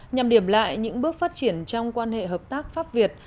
nhằm điểm lại những bước phát triển trong quan hệ hợp tác pháp việt